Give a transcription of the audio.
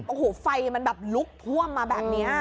โอ้โหไฟมันแบบลุกท่วมมาแบบนี้